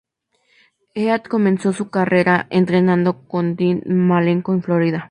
Heath comenzó su carrera entrenando con Dean Malenko en Florida.